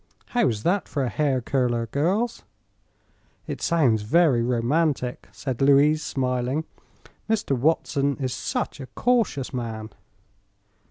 How's that for a hair curler, girls?" "It sounds very romantic," said Louise, smiling. "Mr. Watson is such a cautious man!"